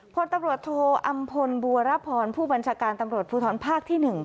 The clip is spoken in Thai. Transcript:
พลตำรวจโทอำพลบัวรพรผู้บัญชาการตำรวจภูทรภาคที่๑